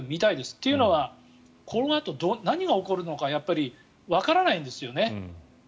というのはこのあと何が起こるのかやっぱりわからないんですよね。